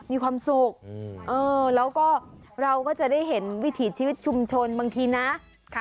มีความสุขแล้วก็เราก็จะได้เห็นวิถีชีวิตชุมชนบางทีนะ